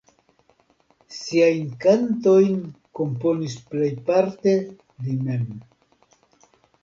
Siajn kantojn komponis plejparte li mem.